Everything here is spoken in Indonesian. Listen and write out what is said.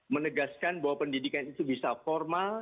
menegaskan bahwa pendidikan itu bisa formal